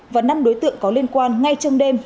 và năm đối tượng có liên quan ngay trong đêm